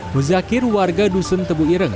muzakir warga dusun tebu ireng